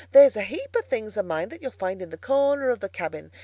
There's a heap of things of mine that you'll find in a corner of the cabin.